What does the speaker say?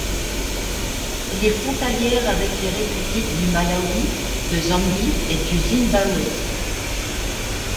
Elle est frontalière avec les républiques du Malawi, de Zambie et du Zimbabwe.